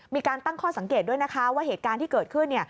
มีการตั้งข้อสังเกตด้วยนะคะว่าเหตุการณ์ที่เกิดขึ้น